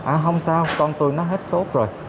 à không sao con tôi nó hết sốt rồi